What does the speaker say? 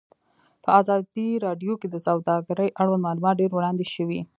په ازادي راډیو کې د سوداګري اړوند معلومات ډېر وړاندې شوي.